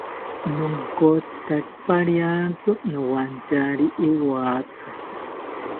Nonkotzitaki pariantzi nowantyari iwatha